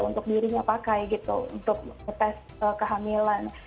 untuk dirinya pakai gitu untuk ngetes kehamilan